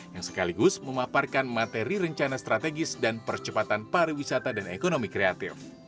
yang sekaligus memaparkan materi rencana strategis dan percepatan pariwisata dan ekonomi kreatif